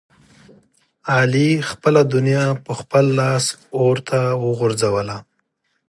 علي خپله دنیا په خپل لاس اورته وغورځوله.